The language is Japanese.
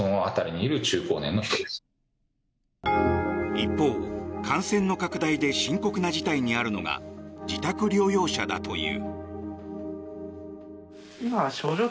一方、感染の拡大で深刻な事態にあるのが自宅療養者だという。